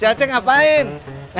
terus marks gara sampai nah kan ya